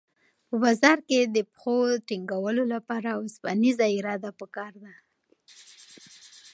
په بازار کې د پښو ټینګولو لپاره اوسپنیزه اراده پکار ده.